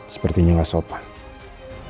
sepertinya enggak sopan